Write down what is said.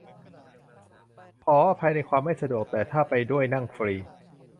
ขออภัยในความไม่สะดวก แต่ถ้าไปด้วยนั่งฟรี